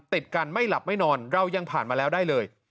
ติดกันไม่หลับไม่นอนเรายังผ่านมาแล้วได้เลย